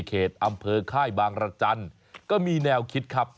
เขตอำเภอค่ายบางรจันทร์ก็มีแนวคิดครับ